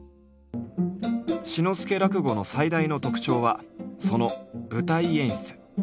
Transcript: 「志の輔らくご」の最大の特徴はその舞台演出。